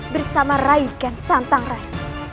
bersama rai kian santan rai